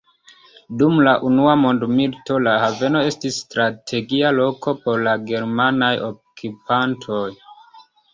Dum la Unua Mondmilito la haveno estis strategia loko por la germanaj okupantoj.